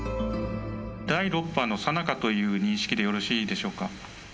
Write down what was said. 第６波のさなかという認識でよろしいでしょうか？